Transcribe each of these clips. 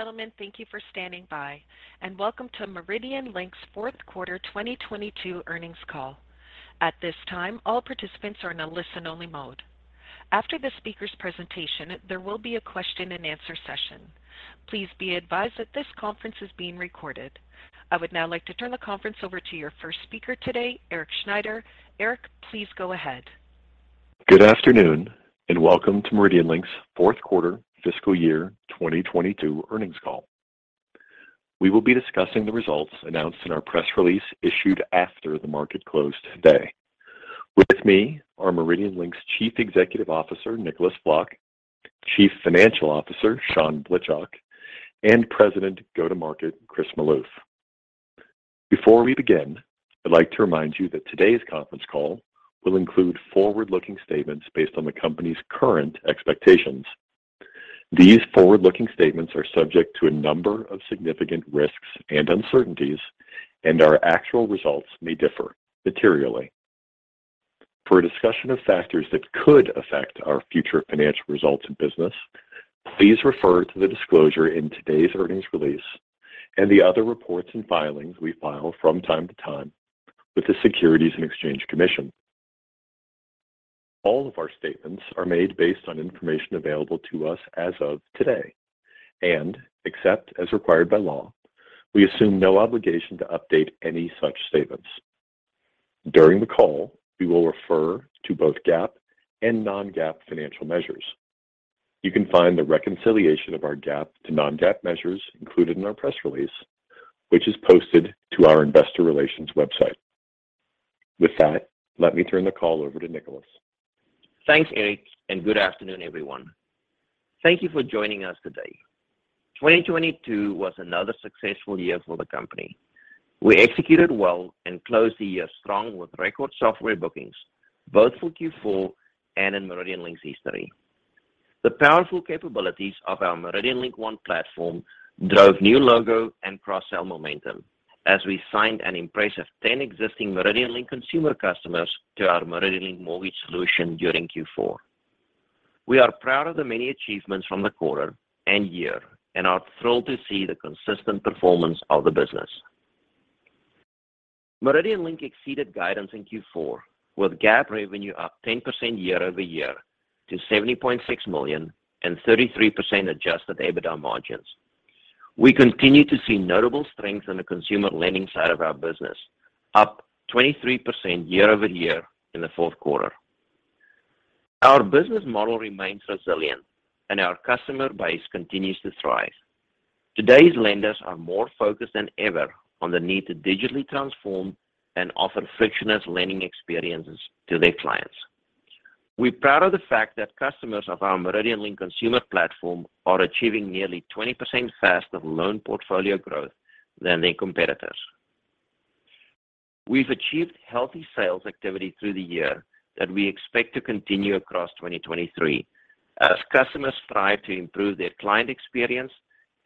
Gentlemen, thank you for standing by, welcome to MeridianLink's Fourth Quarter 2022 Earnings Call. At this time, all participants are in a listen-only mode. After the speaker's presentation, there will be a question and answer session. Please be advised that this conference is being recorded. I would now like to turn the conference over to your first speaker today, Erik Schneider. Erik, please go ahead. Good afternoon and welcome to MeridianLink's Fourth Quarter Fiscal Year 2022 Earnings Call. We will be discussing the results announced in our press release issued after the market closed today. With me are MeridianLink's Chief Executive Officer, Nicolaas Vlok, Chief Financial Officer, Sean Blitchok, and President Go-To-Market, Chris Maloof. Before we begin, I'd like to remind you that today's conference call will include forward-looking statements based on the company's current expectations. These forward-looking statements are subject to a number of significant risks and uncertainties, and our actual results may differ materially. For a discussion of factors that could affect our future financial results and business, please refer to the disclosure in today's earnings release and the other reports and filings we file from time to time with the Securities and Exchange Commission. All of our statements are made based on information available to us as of today, and except as required by law, we assume no obligation to update any such statements. During the call, we will refer to both GAAP and non-GAAP financial measures. You can find the reconciliation of our GAAP to non-GAAP measures included in our press release, which is posted to our investor relations website. Let me turn the call over to Nicolaas. Thanks, Erik, and good afternoon, everyone. Thank Thank you for joining us today. 2022 was another successful year for the company. We executed well and closed the year strong with record software bookings, both for Q4 and in MeridianLink's history. The powerful capabilities of our MeridianLink One platform drove new logo and cross-sell momentum as we signed an impressive 10 existing MeridianLink Consumer customers to our MeridianLink Mortgage solution during Q4. We are proud of the many achievements from the quarter and year and are thrilled to see the consistent performance of the business. MeridianLink exceeded guidance in Q4 with GAAP revenue up 10% year-over-year to $70.6 million and 33% adjusted EBITDA margins. We continue to see notable strength in the consumer lending side of our business, up 23% year-over-year in the fourth quarter. Our business model remains resilient and our customer base continues to thrive. Today's lenders are more focused than ever on the need to digitally transform and offer frictionless lending experiences to their clients. We're proud of the fact that customers of our MeridianLink Consumer platform are achieving nearly 20% faster loan portfolio growth than their competitors. We've achieved healthy sales activity through the year that we expect to continue across 2023 as customers strive to improve their client experience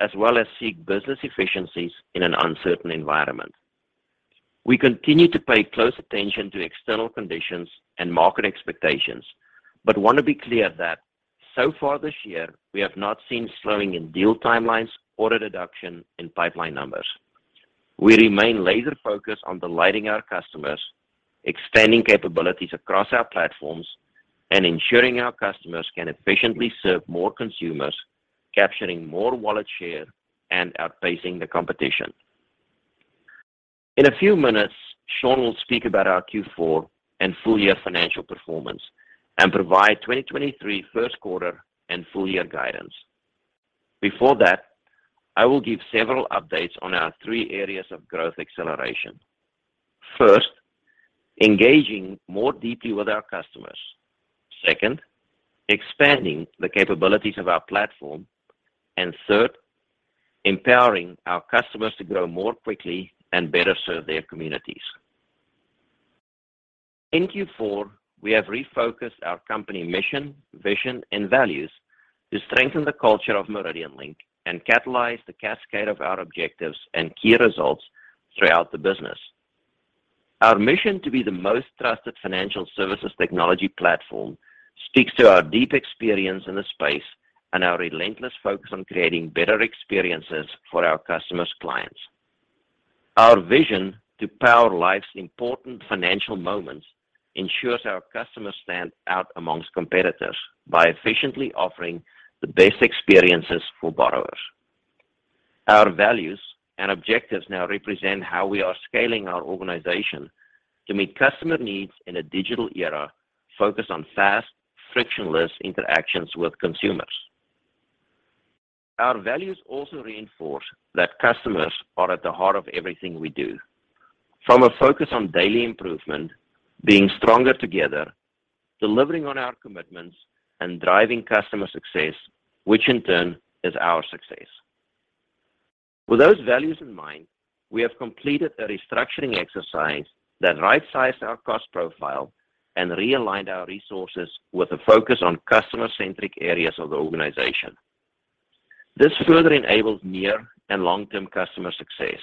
as well as seek business efficiencies in an uncertain environment. We continue to pay close attention to external conditions and market expectations, but want to be clear that so far this year, we have not seen slowing in deal timelines or a deduction in pipeline numbers. We remain laser focused on delighting our customers, extending capabilities across our platforms, and ensuring our customers can efficiently serve more consumers, capturing more wallet share and outpacing the competition. In a few minutes, Sean will speak about our Q4 and full year financial performance and provide 2023 first quarter and full year guidance. Before that, I will give several updates on our three areas of growth acceleration. First, engaging more deeply with our customers. Second, expanding the capabilities of our platform. Third, empowering our customers to grow more quickly and better serve their communities. In Q4, we have refocused our company mission, vision, and values to strengthen the culture of MeridianLink and catalyze the cascade of our objectives and key results throughout the business. Our mission to be the most trusted financial services technology platform speaks to our deep experience in the space and our relentless focus on creating better experiences for our customers' clients. Our vision to power life's important financial moments ensures our customers stand out amongst competitors by efficiently offering the best experiences for borrowers. Our values and objectives now represent how we are scaling our organization to meet customer needs in a digital era focused on fast, frictionless interactions with consumers. Our values also reinforce that customers are at the heart of everything we do. From a focus on daily improvement, being stronger together, delivering on our commitments, and driving customer success, which in turn is our success. With those values in mind, we have completed a restructuring exercise that right-sized our cost profile and realigned our resources with a focus on customer-centric areas of the organization. This further enables near and long-term customer success.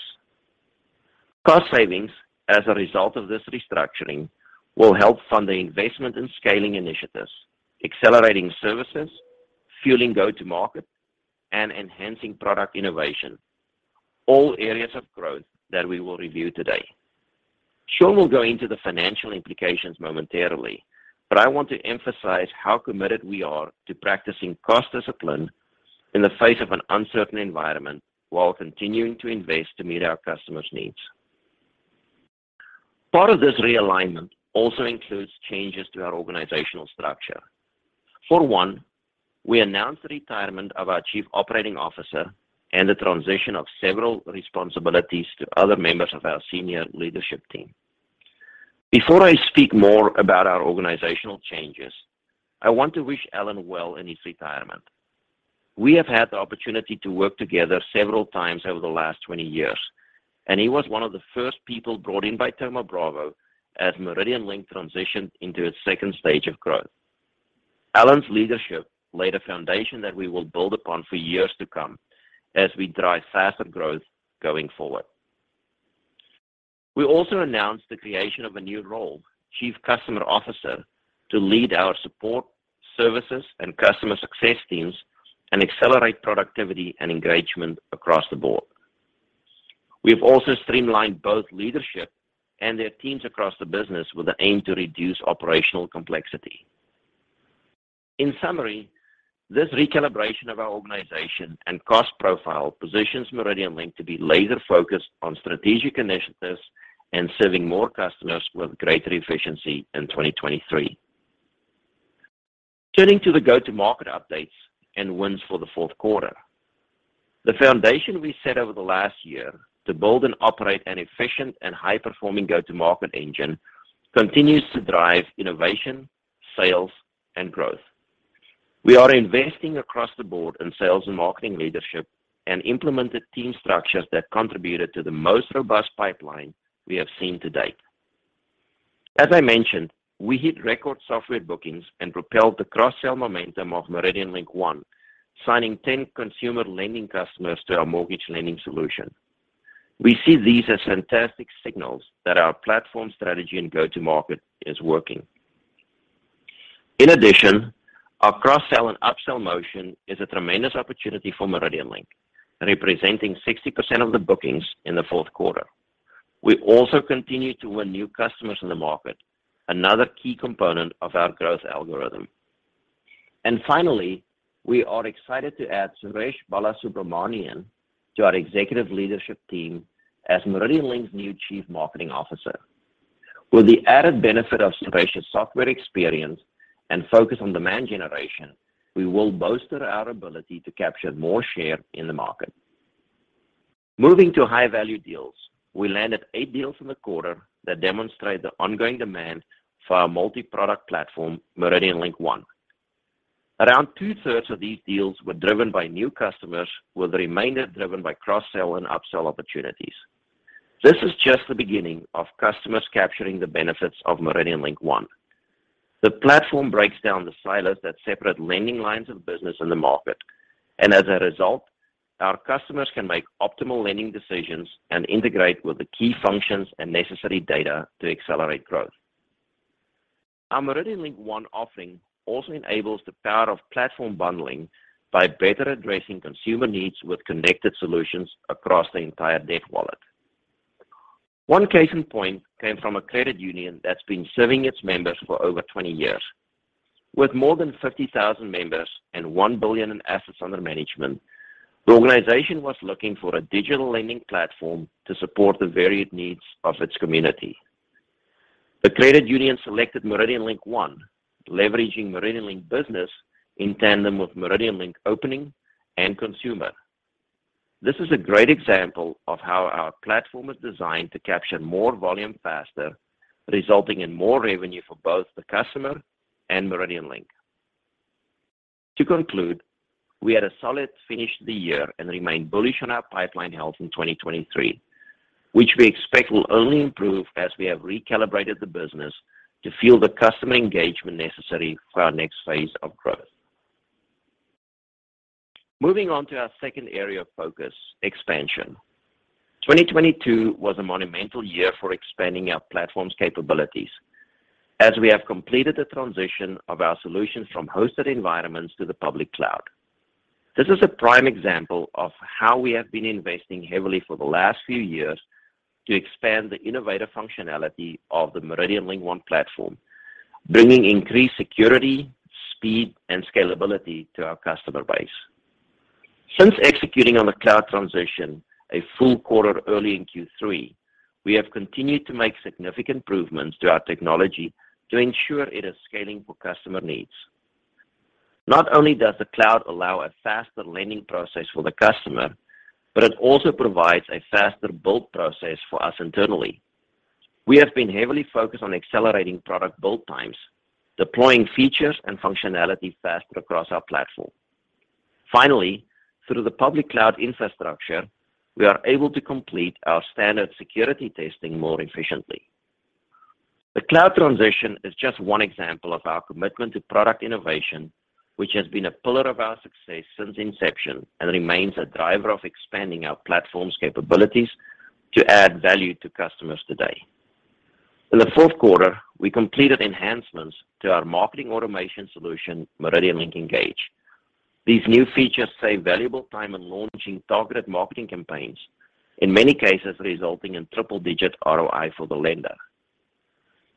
Cost savings as a result of this restructuring will help fund the investment in scaling initiatives, accelerating services, fueling go-to-market, and enhancing product innovation, all areas of growth that we will review today. Sean will go into the financial implications momentarily, but I want to emphasize how committed we are to practicing cost discipline in the face of an uncertain environment while continuing to invest to meet our customers' needs. Part of this realignment also includes changes to our organizational structure. For one, we announced the retirement of our chief operating officer and the transition of several responsibilities to other members of our senior leadership team. Before I speak more about our organizational changes, I want to wish Alan well in his retirement. We have had the opportunity to work together several times over the last 20 years, and he was one of the first people brought in by Thoma Bravo as MeridianLink transitioned into its second stage of growth. Alan's leadership laid a foundation that we will build upon for years to come as we drive faster growth going forward. We also announced the creation of a new role, Chief Customer Officer, to lead our support, services, and customer success teams and accelerate productivity and engagement across the board. We have also streamlined both leadership and their teams across the business with the aim to reduce operational complexity. In summary, this recalibration of our organization and cost profile positions MeridianLink to be laser-focused on strategic initiatives and serving more customers with greater efficiency in 2023. Turning to the go-to-market updates and wins for the fourth quarter. The foundation we set over the last year to build and operate an efficient and high-performing go-to-market engine continues to drive innovation, sales, and growth. We are investing across the board in sales and marketing leadership and implemented team structures that contributed to the most robust pipeline we have seen to date. As I mentioned, we hit record software bookings and propelled the cross-sell momentum of MeridianLink One, signing 10 consumer lending customers to our mortgage lending solution. We see these as fantastic signals that our platform strategy and go-to-market is working. In addition, our cross-sell and upsell motion is a tremendous opportunity for MeridianLink, representing 60% of the bookings in the fourth quarter. We also continue to win new customers in the market, another key component of our growth algorithm. Finally, we are excited to add Suresh Balasubramanian to our executive leadership team as MeridianLink's new Chief Marketing Officer. With the added benefit of Suresh's software experience and focus on demand generation, we will bolster our ability to capture more share in the market. Moving to high-value deals, we landed eight deals in the quarter that demonstrate the ongoing demand for our multi-product platform, MeridianLink One. Around two-thirds of these deals were driven by new customers, with the remainder driven by cross-sell and upsell opportunities. This is just the beginning of customers capturing the benefits of MeridianLink One. The platform breaks down the silos that separate lending lines of business in the market, and as a result, our customers can make optimal lending decisions and integrate with the key functions and necessary data to accelerate growth. Our MeridianLink One offering also enables the power of platform bundling by better addressing consumer needs with connected solutions across the entire debt wallet. One case in point came from a credit union that's been serving its members for over 20 years. With more than 50,000 members and $1 billion in assets under management, the organization was looking for a digital lending platform to support the varied needs of its community. The credit union selected MeridianLink One, leveraging MeridianLink Business in tandem with MeridianLink Opening and Consumer. This is a great example of how our platform is designed to capture more volume faster, resulting in more revenue for both the customer and MeridianLink. To conclude, we had a solid finish to the year and remain bullish on our pipeline health in 2023, which we expect will only improve as we have recalibrated the business to fuel the customer engagement necessary for our next phase of growth. Moving on to our second area of focus: expansion. 2022 was a monumental year for expanding our platform's capabilities as we have completed the transition of our solutions from hosted environments to the public cloud. This is a prime example of how we have been investing heavily for the last few years to expand the innovative functionality of the MeridianLink One platform, bringing increased security, speed, and scalability to our customer base. Since executing on the cloud transition a full quarter early in Q3, we have continued to make significant improvements to our technology to ensure it is scaling for customer needs. Not only does the cloud allow a faster lending process for the customer, but it also provides a faster build process for us internally. We have been heavily focused on accelerating product build times, deploying features and functionality faster across our platform. Through the public cloud infrastructure, we are able to complete our standard security testing more efficiently. The cloud transition is just one example of our commitment to product innovation, which has been a pillar of our success since inception and remains a driver of expanding our platform's capabilities to add value to customers today. In the fourth quarter, we completed enhancements to our marketing automation solution, MeridianLink Engage. These new features save valuable time in launching targeted marketing campaigns, in many cases resulting in triple-digit ROI for the lender.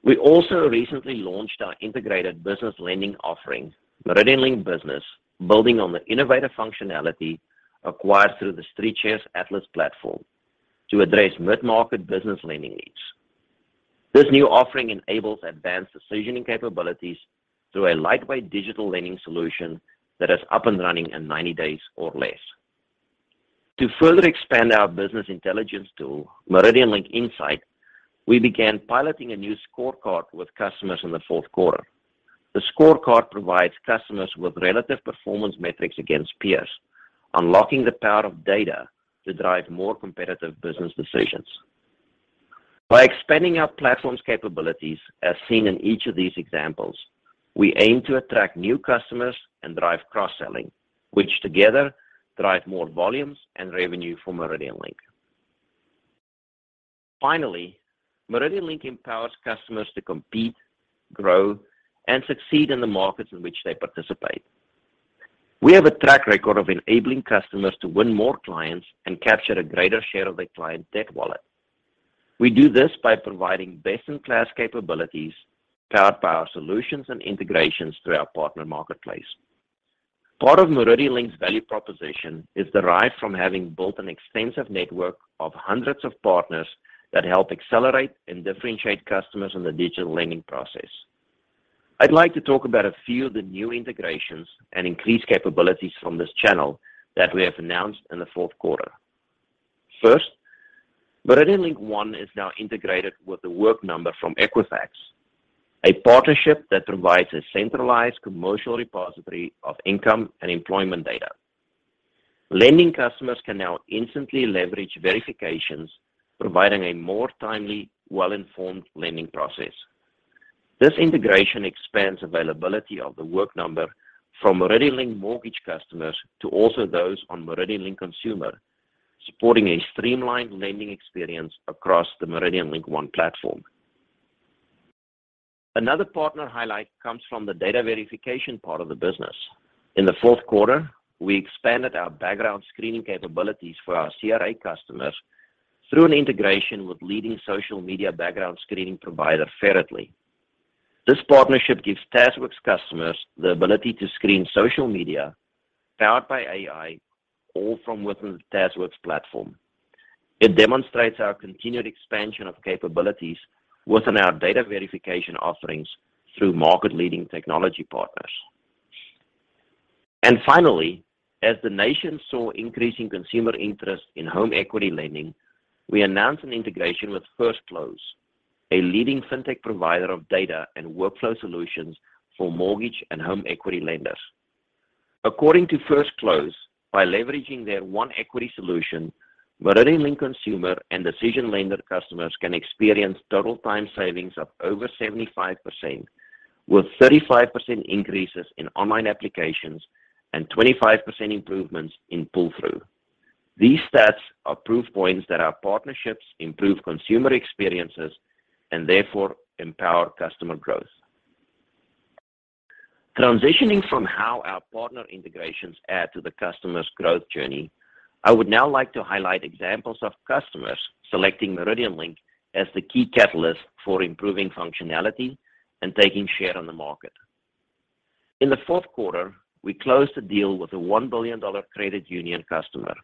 We also recently launched our integrated business lending offering, MeridianLink Business, building on the innovative functionality acquired through the StreetShares Atlas Platform to address mid-market business lending needs. This new offering enables advanced decisioning capabilities through a lightweight digital lending solution that is up and running in 90 days or less. To further expand our business intelligence tool, MeridianLink Insight, we began piloting a new scorecard with customers in the fourth quarter. The scorecard provides customers with relative performance metrics against peers, unlocking the power of data to drive more competitive business decisions. By expanding our platform's capabilities, as seen in each of these examples, we aim to attract new customers and drive cross-selling, which together drive more volumes and revenue for MeridianLink. MeridianLink empowers customers to compete, grow, and succeed in the markets in which they participate. We have a track record of enabling customers to win more clients and capture a greater share of their client debt wallet. We do this by providing best-in-class capabilities powered by our solutions and integrations through our partner marketplace. Part of MeridianLink's value proposition is derived from having built an extensive network of hundreds of partners that help accelerate and differentiate customers in the digital lending process. I'd like to talk about a few of the new integrations and increased capabilities from this channel that we have announced in the fourth quarter. First, MeridianLink One is now integrated with the Work Number from Equifax, a partnership that provides a centralized commercial repository of income and employment data. Lending customers can now instantly leverage verifications, providing a more timely, well-informed lending process. This integration expands availability of The Work Number from MeridianLink Mortgage customers to also those on MeridianLink Consumer, supporting a streamlined lending experience across the MeridianLink One platform. Another partner highlight comes from the data verification part of the business. In the fourth quarter, we expanded our background screening capabilities for our CRA customers through an integration with leading social media background screening provider, Ferretly. This partnership gives TazWorks customers the ability to screen social media powered by AI, all from within the TazWorks platform. It demonstrates our continued expansion of capabilities within our data verification offerings through market-leading technology partners. Finally, as the nation saw increasing consumer interest in home equity lending, we announced an integration with FirstClose, a leading fintech provider of data and workflow solutions for mortgage and home equity lenders. According to FirstClose, by leveraging their OneEquity solution, MeridianLink Consumer and DecisionLender customers can experience total time savings of over 75%, with 35% increases in online applications and 25% improvements in pull-through. These stats are proof points that our partnerships improve consumer experiences and therefore empower customer growth. Transitioning from how our partner integrations add to the customer's growth journey, I would now like to highlight examples of customers selecting MeridianLink as the key catalyst for improving functionality and taking share on the market. In the fourth quarter, we closed a deal with a $1 billion credit union customer,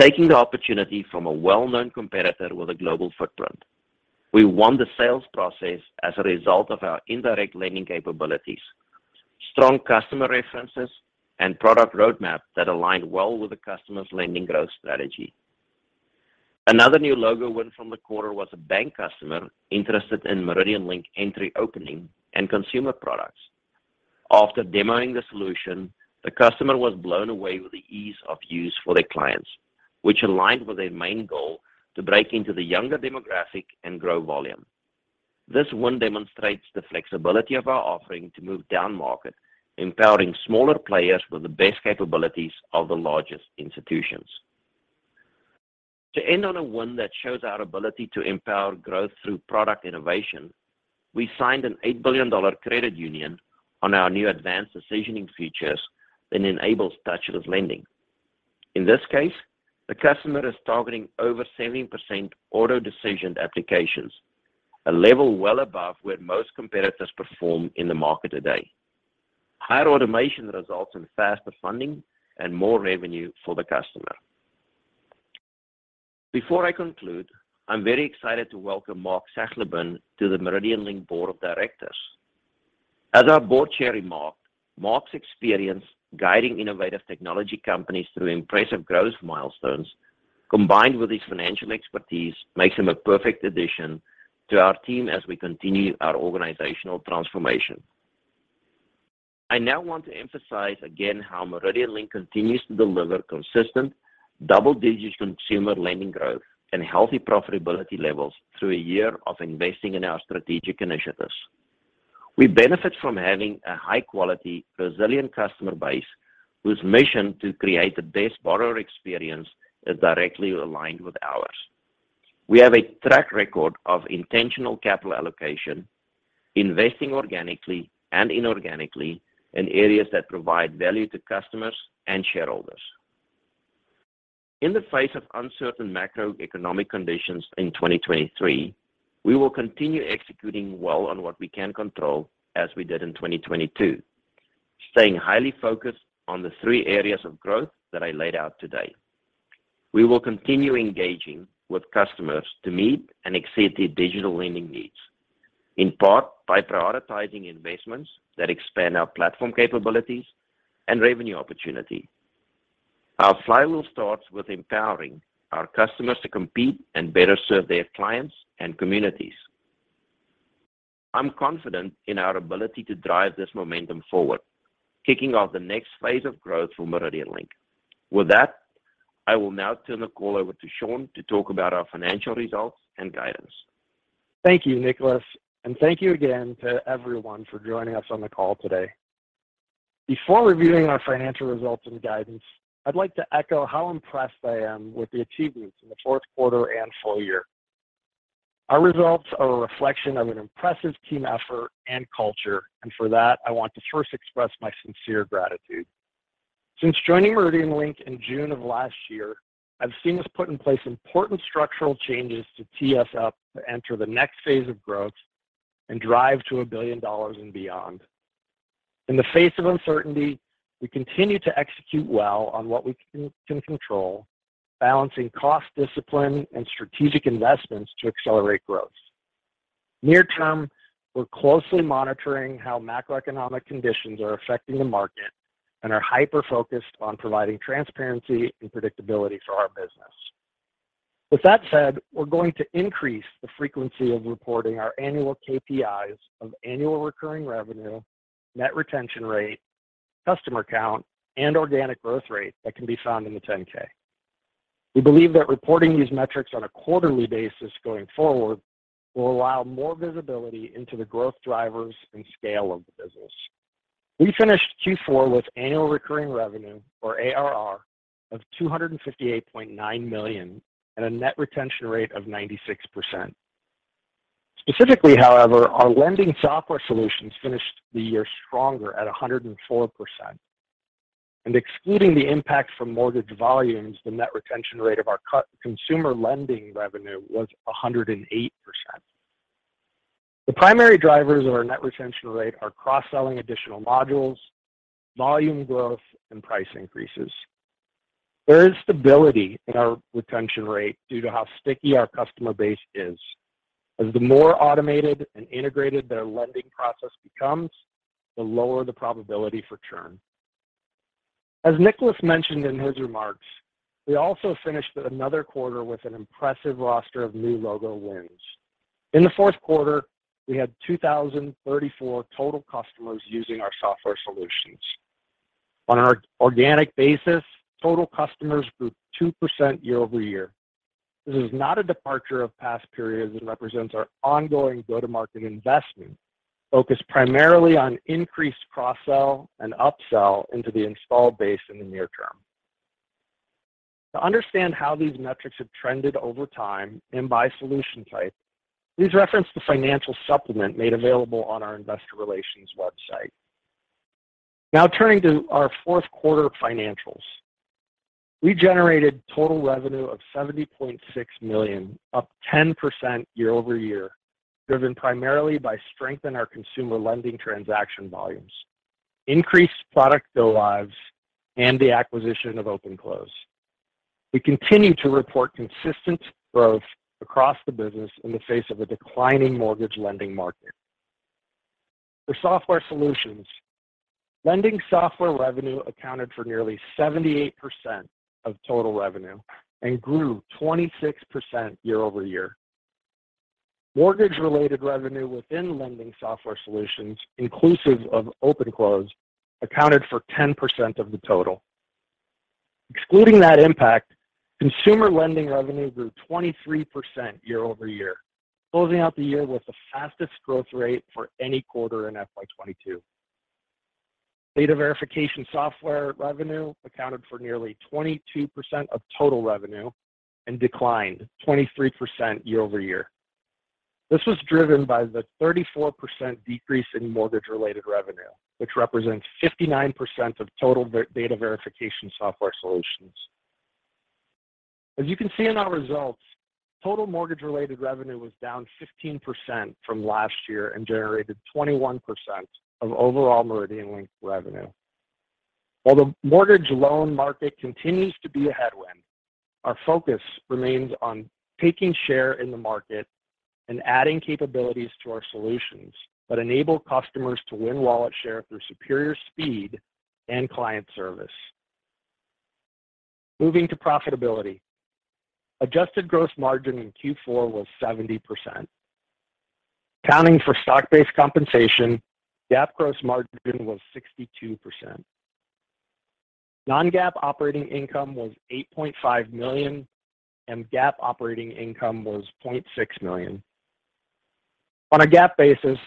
taking the opportunity from a well-known competitor with a global footprint. We won the sales process as a result of our indirect lending capabilities, strong customer references, and product roadmap that aligned well with the customer's lending growth strategy. Another new logo win from the quarter was a bank customer interested in MeridianLink Opening and consumer products. After demoing the solution, the customer was blown away with the ease of use for their clients, which aligned with their main goal to break into the younger demographic and grow volume. This win demonstrates the flexibility of our offering to move down market, empowering smaller players with the best capabilities of the largest institutions. To end on a win that shows our ability to empower growth through product innovation, we signed an $8 billion credit union on our new advanced decisioning features that enables touchless lending. In this case, the customer is targeting over 70% auto-decisioned applications, a level well above where most competitors perform in the market today. Higher automation results in faster funding and more revenue for the customer. Before I conclude, I'm very excited to welcome Mark Sachleben to the MeridianLink Board of Directors. As our board chair remarked, Mark's experience guiding innovative technology companies through impressive growth milestones, combined with his financial expertise, makes him a perfect addition to our team as we continue our organizational transformation. I now want to emphasize again how MeridianLink continues to deliver consistent double-digit consumer lending growth and healthy profitability levels through a year of investing in our strategic initiatives. We benefit from having a high-quality, resilient customer base whose mission to create the best borrower experience is directly aligned with ours. We have a track record of intentional capital allocation, investing organically and inorganically in areas that provide value to customers and shareholders. In the face of uncertain macroeconomic conditions in 2023, we will continue executing well on what we can control as we did in 2022, staying highly focused on the three areas of growth that I laid out today. We will continue engaging with customers to meet and exceed their digital lending needs, in part by prioritizing investments that expand our platform capabilities and revenue opportunity. Our flywheel starts with empowering our customers to compete and better serve their clients and communities. I'm confident in our ability to drive this momentum forward, kicking off the next phase of growth for MeridianLink. With that, I will now turn the call over to Sean to talk about our financial results and guidance. Thank you, Nicolas. Thank you again to everyone for joining us on the call today. Before reviewing our financial results and guidance, I'd like to echo how impressed I am with the achievements in the fourth quarter and full year. Our results are a reflection of an impressive team effort and culture. For that, I want to first express my sincere gratitude. Since joining MeridianLink in June of last year, I've seen us put in place important structural changes to tee us up to enter the next phase of growth and drive to $1 billion and beyond. In the face of uncertainty, we continue to execute well on what we can control balancing cost discipline and strategic investments to accelerate growth. Near term, we're closely monitoring how macroeconomic conditions are affecting the market and are hyper-focused on providing transparency and predictability for our business. With that said, we're going to increase the frequency of reporting our annual KPIs of annual recurring revenue, net retention rate, customer count, and organic growth rate that can be found in the 10-K. We believe that reporting these metrics on a quarterly basis going forward will allow more visibility into the growth drivers and scale of the business. We finished Q4 with annual recurring revenue or ARR of $258.9 million and a net retention rate of 96%. Specifically, however, our lending software solutions finished the year stronger at 104%. Excluding the impact from mortgage volumes, the net retention rate of our consumer lending revenue was 108%. The primary drivers of our net retention rate are cross-selling additional modules, volume growth, and price increases. There is stability in our retention rate due to how sticky our customer base is. The more automated and integrated their lending process becomes, the lower the probability for churn. Nicolaas mentioned in his remarks, we also finished another quarter with an impressive roster of new logo wins. In the fourth quarter, we had 2,034 total customers using our software solutions. On an organic basis, total customers grew 2% year-over-year. This is not a departure of past periods. It represents our ongoing go-to-market investment, focused primarily on increased cross-sell and upsell into the installed base in the near term. To understand how these metrics have trended over time and by solution type, please reference the financial supplement made available on our investor relations website. Turning to our fourth quarter financials. We generated total revenue of $70.6 million, up 10% year-over-year, driven primarily by strength in our consumer lending transaction volumes, increased product billable lives, and the acquisition of OpenClose. We continue to report consistent growth across the business in the face of a declining mortgage lending market. For software solutions, lending software revenue accounted for nearly 78% of total revenue and grew 26% year-over-year. Mortgage-related revenue within lending software solutions, inclusive of OpenClose, accounted for 10% of the total. Excluding that impact, consumer lending revenue grew 23% year-over-year, closing out the year with the fastest growth rate for any quarter in FY 2022. Data verification software revenue accounted for nearly 22% of total revenue and declined 23% year-over-year. This was driven by the 34% decrease in mortgage-related revenue, which represents 59% of total data verification software solutions. As you can see in our results, total mortgage-related revenue was down 15% from last year and generated 21% of overall MeridianLink revenue. While the mortgage loan market continues to be a headwind, our focus remains on taking share in the market and adding capabilities to our solutions that enable customers to win wallet share through superior speed and client service. Moving to profitability. Adjusted gross margin in Q4 was 70%. Accounting for stock-based compensation, GAAP gross margin was 62%. Non-GAAP operating income was $8.5 million, and GAAP operating income was $0.6 million. On a GAAP basis,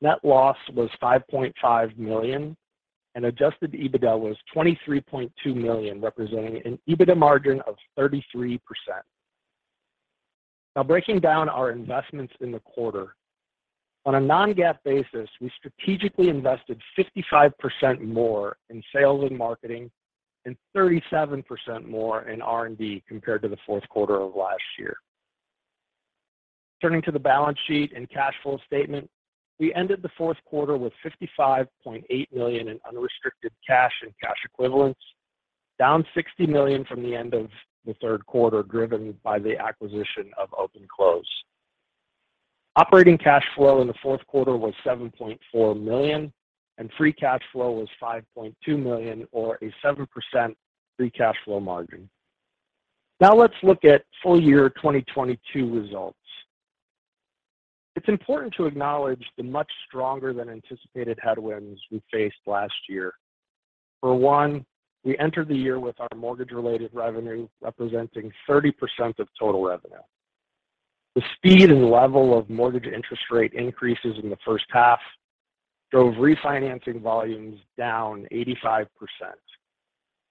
net loss was $5.5 million, and adjusted EBITDA was $23.2 million, representing an EBITDA margin of 33%. Breaking down our investments in the quarter. On a non-GAAP basis, we strategically invested 55% more in sales and marketing and 37% more in R&D compared to the fourth quarter of last year. Turning to the balance sheet and cash flow statement, we ended the fourth quarter with $55.8 million in unrestricted cash and cash equivalents, down $60 million from the end of the third quarter, driven by the acquisition of OpenClose. Operating cash flow in the fourth quarter was $7.4 million, and free cash flow was $5.2 million or a 7% free cash flow margin. Let's look at full year 2022 results. It's important to acknowledge the much stronger than anticipated headwinds we faced last year. For one, we entered the year with our mortgage-related revenue representing 30% of total revenue. The speed and level of mortgage interest rate increases in the first half drove refinancing volumes down 85%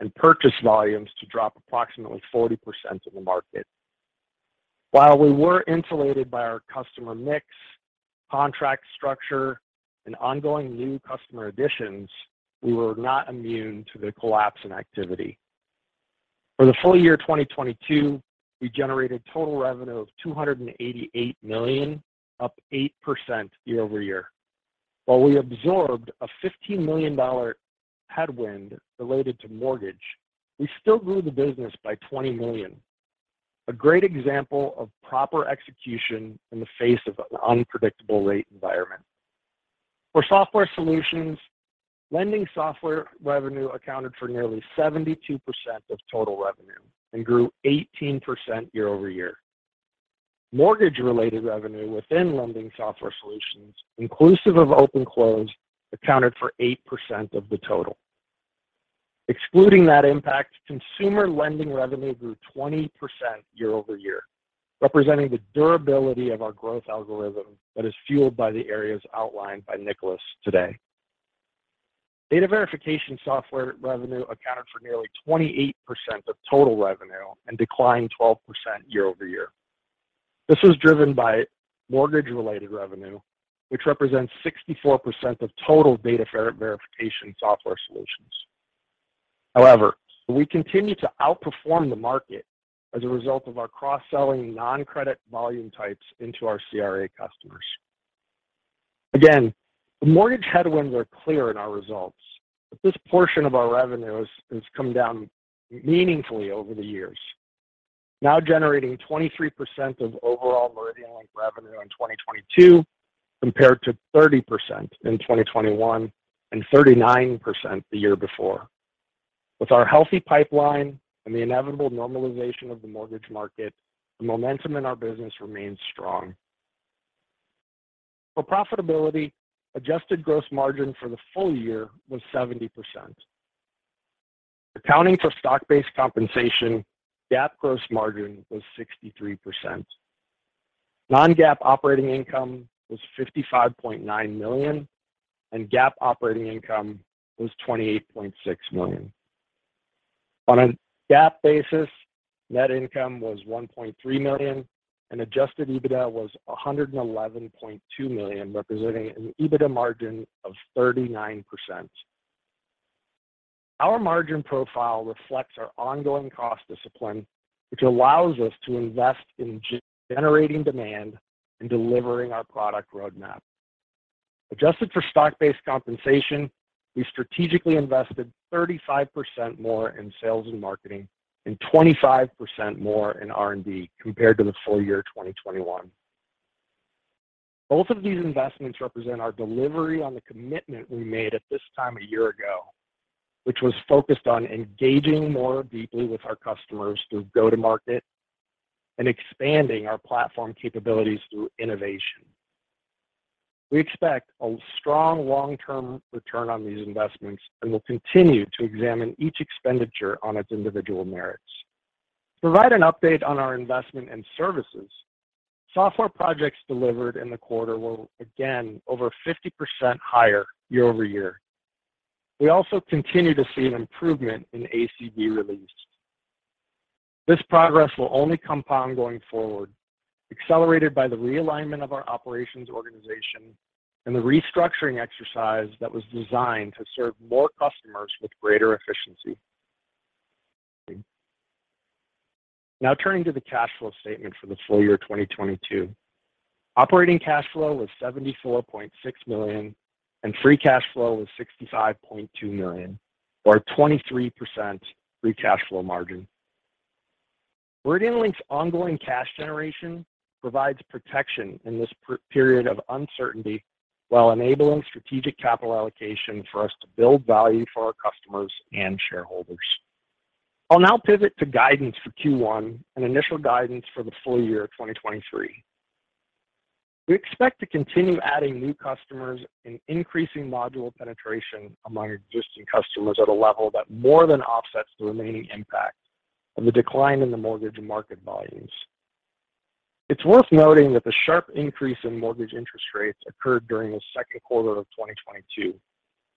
and purchase volumes to drop approximately 40% in the market. While we were insulated by our customer mix, contract structure, and ongoing new customer additions, we were not immune to the collapse in activity. For the full year 2022, we generated total revenue of $288 million, up 8% year-over-year. While we absorbed a $15 million headwind related to mortgage, we still grew the business by $20 million. A great example of proper execution in the face of an unpredictable rate environment. For software solutions, lending software revenue accounted for nearly 72% of total revenue and grew 18% year-over-year. Mortgage-related revenue within lending software solutions, inclusive of OpenClose, accounted for 8% of the total. Excluding that impact, consumer lending revenue grew 20% year-over-year, representing the durability of our growth algorithm that is fueled by the areas outlined by Nicolaas today. Data verification software revenue accounted for nearly 28% of total revenue and declined 12% year-over-year. This was driven by mortgage-related revenue, which represents 64% of total data verification software solutions. However, we continue to outperform the market as a result of our cross-selling non-credit volume types into our CRA customers. Again, the mortgage headwinds are clear in our results, but this portion of our revenue has come down meaningfully over the years. Now generating 23% of overall MeridianLink revenue in 2022 compared to 30% in 2021 and 39% the year before. With our healthy pipeline and the inevitable normalization of the mortgage market, the momentum in our business remains strong. For profitability, adjusted gross margin for the full year was 70%. Accounting for stock-based compensation, GAAP gross margin was 63%. Non-GAAP operating income was $55.9 million, and GAAP operating income was $28.6 million. On a GAAP basis, net income was $1.3 million, and adjusted EBITDA was $111.2 million, representing an EBITDA margin of 39%. Our margin profile reflects our ongoing cost discipline, which allows us to invest in generating demand and delivering our product roadmap. Adjusted for stock-based compensation, we strategically invested 35% more in sales and marketing and 25% more in R&D compared to the full year 2021. Both of these investments represent our delivery on the commitment we made at this time a year ago, which was focused on engaging more deeply with our customers through go-to-market and expanding our platform capabilities through innovation. We expect a strong long-term return on these investments and will continue to examine each expenditure on its individual merits. To provide an update on our investment and services, software projects delivered in the quarter were again over 50% higher year-over-year. We also continue to see an improvement in ACV release. This progress will only compound going forward, accelerated by the realignment of our operations organization and the restructuring exercise that was designed to serve more customers with greater efficiency. Turning to the cash flow statement for the full year 2022. Operating cash flow was $74.6 million, and free cash flow was $65.2 million, or a 23% free cash flow margin. MeridianLink's ongoing cash generation provides protection in this per-period of uncertainty while enabling strategic capital allocation for us to build value for our customers and shareholders. I'll now pivot to guidance for Q1 and initial guidance for the full year 2023. We expect to continue adding new customers and increasing module penetration among existing customers at a level that more than offsets the remaining impact of the decline in the mortgage market volumes. It's worth noting that the sharp increase in mortgage interest rates occurred during the second quarter of 2022,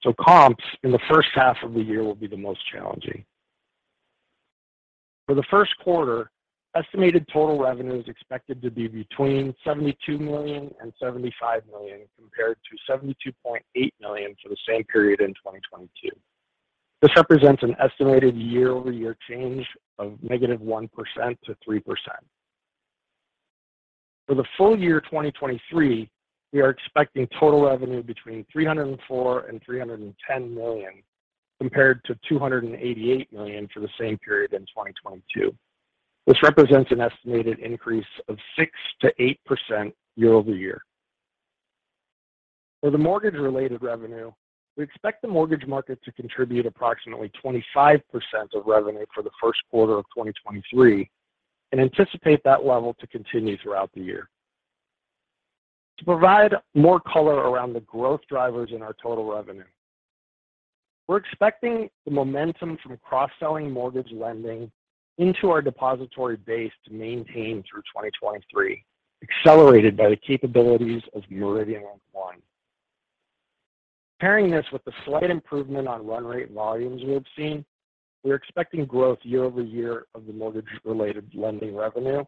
so comps in the first half of the year will be the most challenging. For the first quarter, estimated total revenue is expected to be between $72 million and $75 million, compared to $72.8 million for the same period in 2022. This represents an estimated year-over-year change of -1% to 3%. For the full year 2023, we are expecting total revenue between $304 million and $310 million, compared to $288 million for the same period in 2022. This represents an estimated increase of 6%-8% year-over-year. For the mortgage-related revenue, we expect the mortgage market to contribute approximately 25% of revenue for the first quarter of 2023 and anticipate that level to continue throughout the year. To provide more color around the growth drivers in our total revenue, we're expecting the momentum from cross-selling mortgage lending into our depository base to maintain through 2023, accelerated by the capabilities of MeridianLink One. Pairing this with the slight improvement on run rate volumes we have seen, we're expecting growth year-over-year of the mortgage-related lending revenue,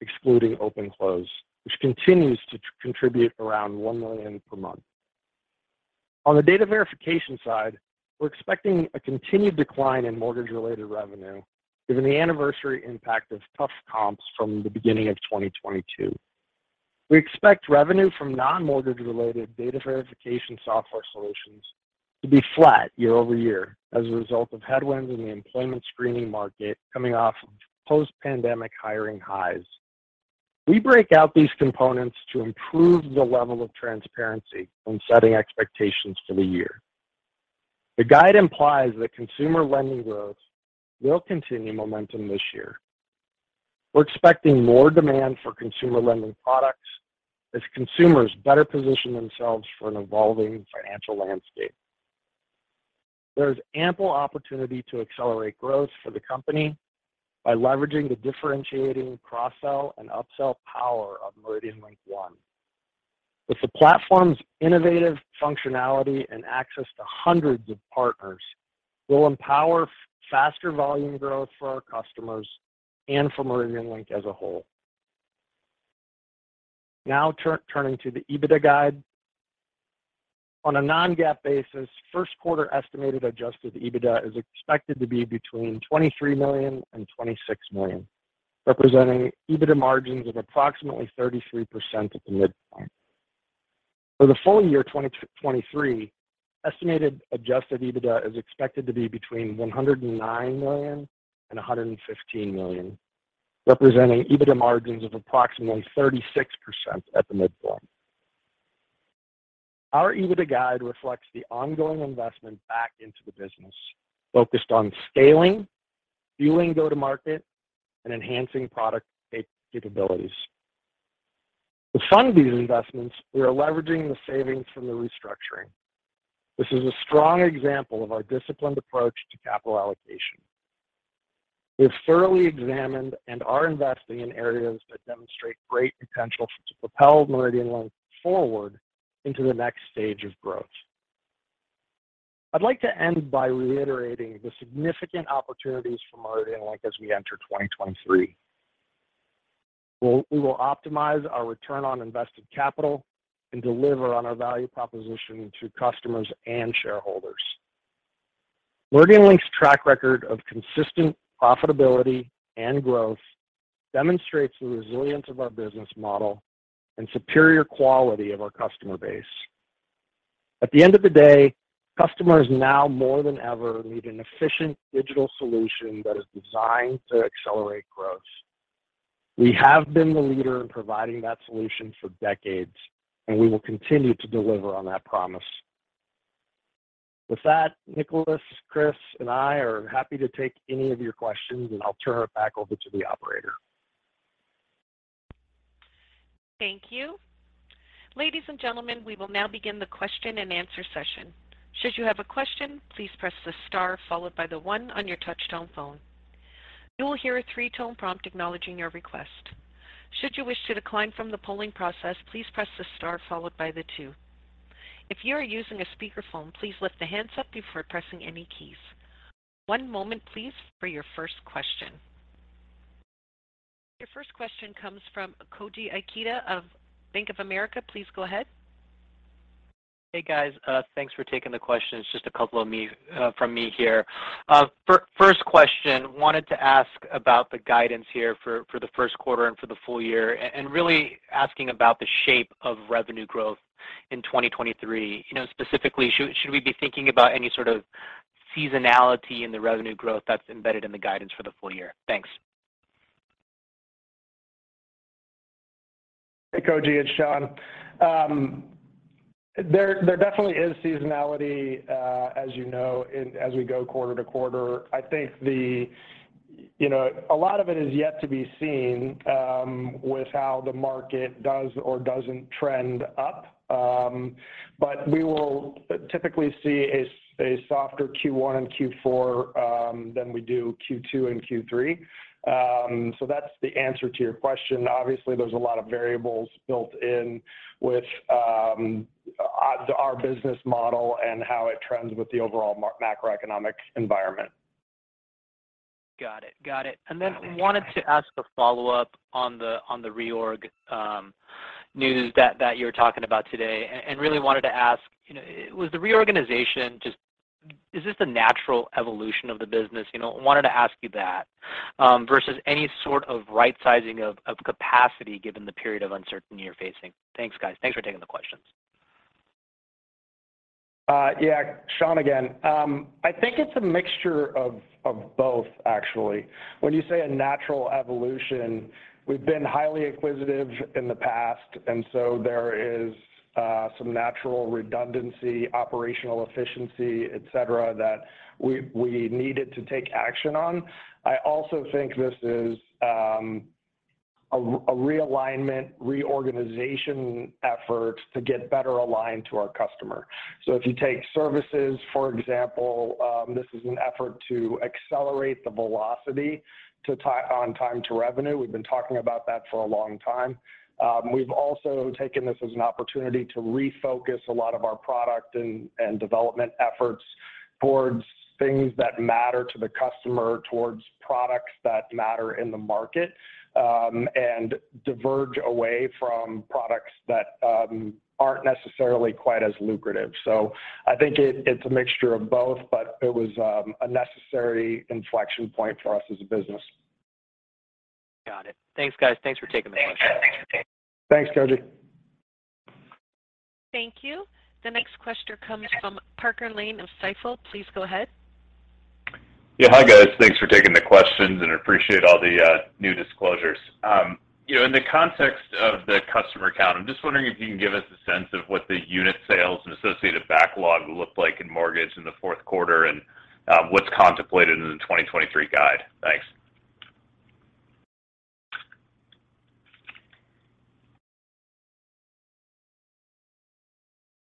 excluding OpenClose, which continues to contribute around $1 million per month. On the data verification side, we're expecting a continued decline in mortgage-related revenue given the anniversary impact of tough comps from the beginning of 2022. We expect revenue from non-mortgage related data verification software solutions to be flat year-over-year as a result of headwinds in the employment screening market coming off of post-pandemic hiring highs. We break out these components to improve the level of transparency when setting expectations for the year. The guide implies that consumer lending growth will continue momentum this year. We're expecting more demand for consumer lending products as consumers better position themselves for an evolving financial landscape. There's ample opportunity to accelerate growth for the company by leveraging the differentiating cross-sell and upsell power of MeridianLink One. With the platform's innovative functionality and access to hundreds of partners, we'll empower faster volume growth for our customers and for MeridianLink as a whole. Now turning to the EBITDA guide. On a non-GAAP basis, first quarter estimated adjusted EBITDA is expected to be between $23 million and $26 million, representing EBITDA margins of approximately 33% at the midpoint. For the full year 2023, estimated adjusted EBITDA is expected to be between $109 million and $115 million, representing EBITDA margins of approximately 36% at the midpoint. Our EBITDA guide reflects the ongoing investment back into the business, focused on scaling, fueling go-to-market, and enhancing product capabilities. To fund these investments, we are leveraging the savings from the restructuring. This is a strong example of our disciplined approach to capital allocation. We have thoroughly examined and are investing in areas that demonstrate great potential to propel MeridianLink forward into the next stage of growth. I'd like to end by reiterating the significant opportunities for MeridianLink as we enter 2023. We will optimize our return on invested capital and deliver on our value proposition to customers and shareholders. MeridianLink's track record of consistent profitability and growth demonstrates the resilience of our business model and superior quality of our customer base. At the end of the day, customers now more than ever need an efficient digital solution that is designed to accelerate growth. We have been the leader in providing that solution for decades, and we will continue to deliver on that promise. With that, Nicolaas, Chris, and I are happy to take any of your questions, and I'll turn it back over to the operator. Thank you. Ladies and gentlemen, we will now begin the question-and-answer session. Should you have a question, please press the star followed by the one on your touch-tone phone. You will hear a three-tone prompt acknowledging your request. Should you wish to decline from the polling process, please press the star followed by the two. If you are using a speakerphone, please lift the handset before pressing any keys. One moment, please, for your first question. Your first question comes from Koji Ikeda of Bank of America. Please go ahead. Hey, guys. Thanks for taking the questions. Just a couple of me from me here. First question, wanted to ask about the guidance here for the first quarter and for the full year and really asking about the shape of revenue growth in 2023. You know, specifically, should we be thinking about any sort of seasonality in the revenue growth that's embedded in the guidance for the full year. Thanks. Hey Koji, it's Sean. There definitely is seasonality, as you know as we go quarter to quarter. I think the, you know, a lot of it is yet to be seen, with how the market does or doesn't trend up. We will typically see a softer Q1 and Q4 than we do Q2 and Q3. That's the answer to your question. Obviously, there's a lot of variables built in with our business model and how it trends with the overall macroeconomic environment. Got it. Got it. Wanted to ask a follow-up on the, on the reorg news that you're talking about today. You know, Is this the natural evolution of the business? You know, wanted to ask you that versus any sort of right sizing of capacity given the period of uncertainty you're facing. Thanks, guys. Thanks for taking the questions. Yeah. Sean again. I think it's a mixture of both actually. When you say a natural evolution, we've been highly inquisitive in the past, there is some natural redundancy, operational efficiency, et cetera, that we needed to take action on. I also think this is a realignment, reorganization effort to get better aligned to our customer. If you take services, for example, this is an effort to accelerate the velocity to on time to revenue. We've been talking about that for a long time. We've also taken this as an opportunity to refocus a lot of our product and development efforts towards things that matter to the customer, towards products that matter in the market, and diverge away from products that aren't necessarily quite as lucrative. I think it's a mixture of both, but it was, a necessary inflection point for us as a business. Got it. Thanks guys. Thanks for taking the questions. Thanks, Koji. Thank you. The next question comes from Parker Lane of Stifel. Please go ahead. Yeah. Hi, guys. Thanks for taking the questions and appreciate all the new disclosures. You know, in the context of the customer count, I'm just wondering if you can give us a sense of what the unit sales and associated backlog look like in mortgage in the fourth quarter and what's contemplated in the 2023 guide. Thanks.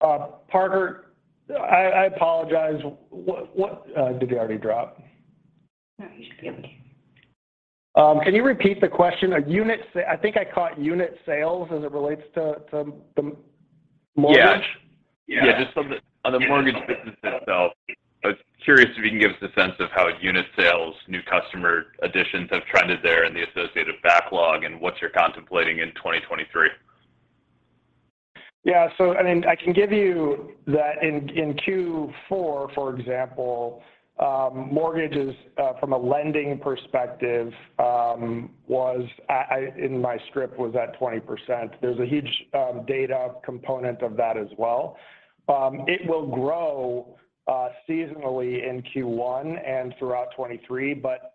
Parker, I apologize. What did he already drop? No, he should be okay. Can you repeat the question? I think I caught unit sales as it relates to mortgage? Yeah. Just on the, on the mortgage business itself, I was curious if you can give us a sense of how unit sales, new customer additions have trended there and the associated backlog and what you're contemplating in 2023. I mean, I can give you that in Q4, for example, mortgages, from a lending perspective, was I in my script was at 20%. There's a huge data component of that as well. It will grow seasonally in Q1 and throughout 2023, but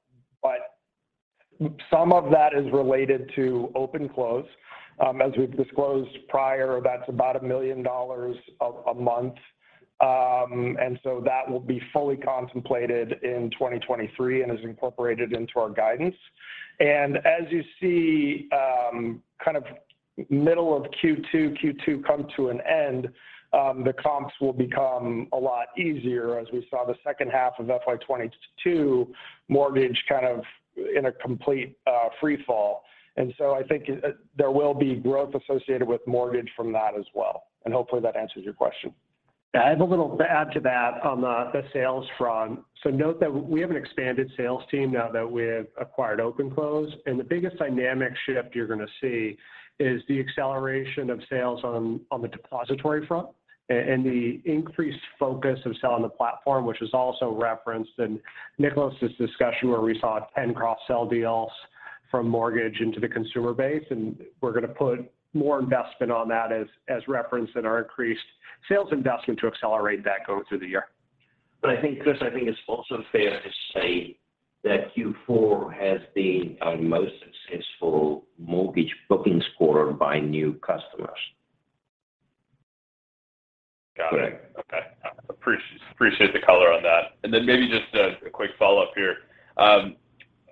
some of that is related to OpenClose. As we've disclosed prior, that's about $1 million a month. That will be fully contemplated in 2023 and is incorporated into our guidance. As you see, kind of middle of Q2 come to an end, the comps will become a lot easier as we saw the second half of FY 2022 mortgage kind of in a complete free fall. I think there will be growth associated with mortgage from that as well. Hopefully that answers your question. I have a little to add to that on the sales front. Note that we have an expanded sales team now that we have acquired OpenClose. The biggest dynamic shift you're gonna see is the acceleration of sales on the depository front and the increased focus of selling the platform, which is also referenced in Nicolaas's discussion where we saw 10 cross sell deals from mortgage into the consumer base, we're gonna put more investment on that as referenced in our increased sales investment to accelerate that going through the year. I think, Chris, I think it's also fair to say that Q4 has the most successful mortgage bookings quarter by new customers. Got it. Okay. Appreciate the color on that. Maybe just a quick follow-up here.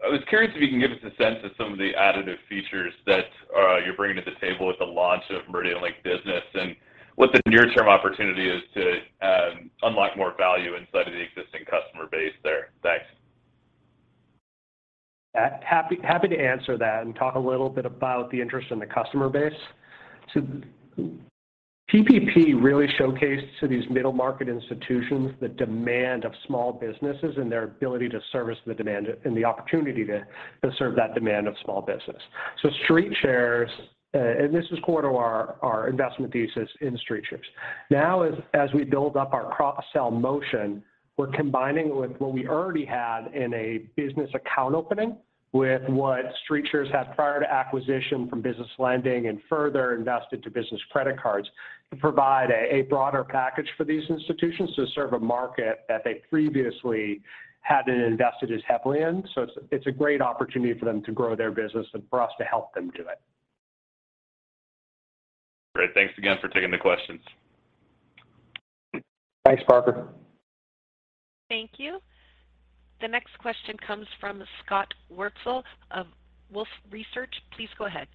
I was curious if you can give us a sense of some of the additive features that you're bringing to the table with the launch of MeridianLink Business and what the near term opportunity is to unlock more value inside of the existing customer base there. Thanks. Happy to answer that and talk a little bit about the interest in the customer base. PPP really showcased to these middle market institutions the demand of small businesses and their ability to service the demand and the opportunity to serve that demand of small business. StreetShares, and this is core to our investment thesis in StreetShares. Now as we build up our cross-sell motion, we're combining with what we already had in a business account opening with what StreetShares had prior to acquisition from business lending and further invested to business credit cards to provide a broader package for these institutions to serve a market that they previously hadn't invested as heavily in. It's a great opportunity for them to grow their business and for us to help them do it. Great. Thanks again for taking the questions. Thanks, Parker. Thank you. The next question comes from Scott Wurtzel of Wolfe Research. Please go ahead.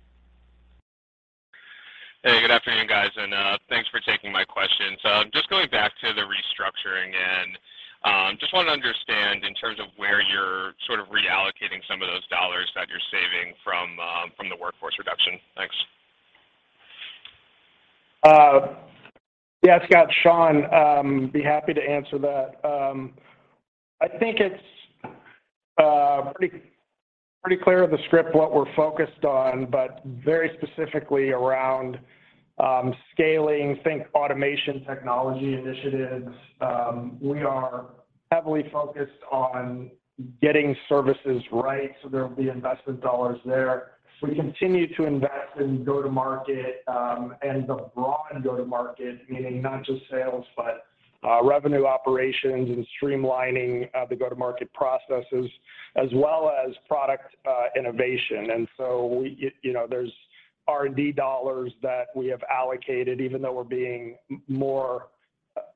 Hey, good afternoon, guys, and thanks for taking my question. I'm just going back to the restructuring and just want to understand in terms of where you're sort of reallocating some of those dollars that you're saving from from the workforce reduction. Thanks. Yeah, Scott. Sean, be happy to answer that. I think it's pretty clear of the script what we're focused on, but very specifically around scaling, think automation technology initiatives. We are heavily focused on getting services right, so there will be investment dollars there. We continue to invest in go-to-market, and the broad go-to-market, meaning not just sales, but revenue operations and streamlining the go-to-market processes as well as product innovation. we, you know, there's R&D dollars that we have allocated, even though we're being more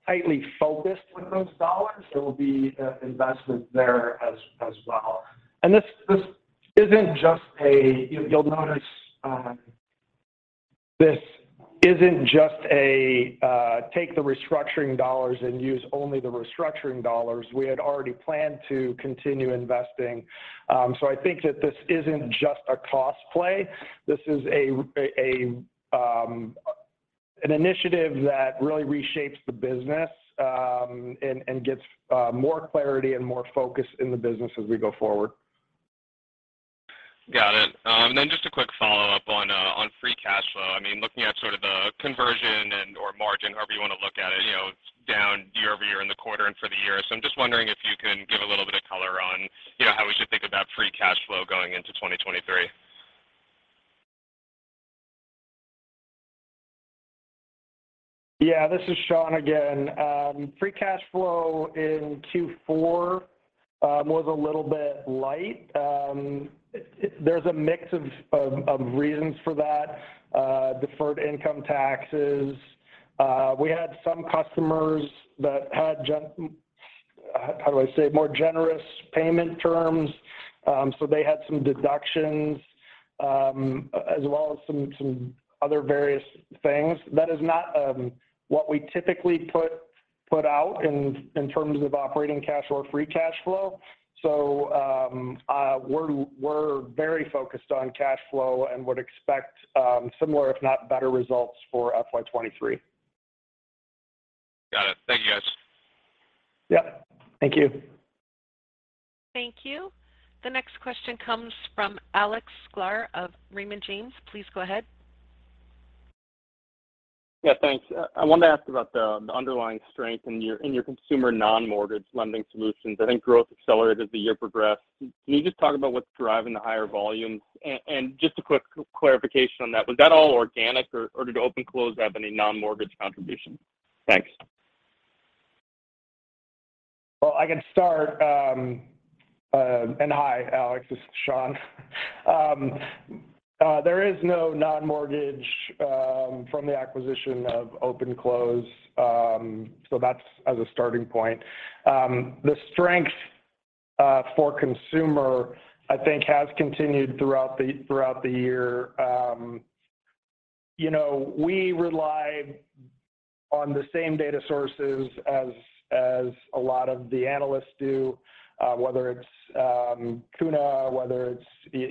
tightly focused with those dollars, there will be investment there as well. This isn't just a. You'll notice, this isn't just a take the restructuring dollars and use only the restructuring dollars. We had already planned to continue investing. I think that this isn't just a cost play. This is an initiative that really reshapes the business and gets more clarity and more focus in the business as we go forward. Got it. Just a quick follow-up on free cash flow. I mean, looking at sort of the conversion and/or margin, however you want to look at it, you know, down year-over-year in the quarter and for the year. I'm just wondering if you can give a little bit of color on, you know, how we should think about free cash flow going into 2023. Yeah, this is Sean again. Free cash flow in Q4 was a little bit light. There's a mix of reasons for that. Deferred income taxes. We had some customers that had More generous payment terms, so they had some deductions, as well as some other various things. That is not what we typically put out in terms of operating cash or free cash flow. We're very focused on cash flow and would expect similar if not better results for FY 2023. Got it. Thank you, guys. Yeah. Thank you. Thank you. The next question comes from Alex Sklar of Raymond James. Please go ahead. Yeah, thanks. I wanted to ask about the underlying strength in your, in your consumer non-mortgage lending solutions. I think growth accelerated as the year progressed. Can you just talk about what's driving the higher volumes? Just a quick clarification on that. Was that all organic or did OpenClose have any non-mortgage contribution? Thanks. Well, I can start, hi, Alex. This is Sean. There is no non-mortgage from the acquisition of OpenClose. That's as a starting point. The strength for consumer, I think has continued throughout the year. You know, we rely on the same data sources as a lot of the analysts do, whether it's Kuna, whether it's,